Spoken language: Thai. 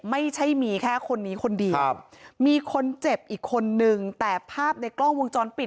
ไม่ใช่มีแค่คนนี้คนเดียวมีคนเจ็บอีกคนนึงแต่ภาพในกล้องวงจรปิด